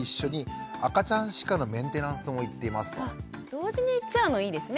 同時に行っちゃうのいいですね。